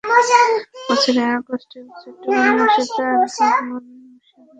বছরের আগস্ট এবং সেপ্টেম্বর মাসে তারা হরহামেশাই মানুষের ওপর চড়াও হয়।